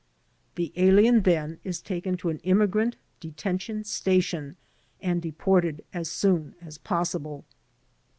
The alien then is taken to an immigrant detention station and de ported as soon as possible.